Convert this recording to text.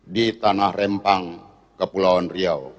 di tanah rempang kepulauan riau